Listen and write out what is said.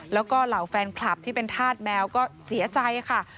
แล้วก็เหล่าแฟนคลับที่เป็นธาตุแมวก็เสียใจค่ะ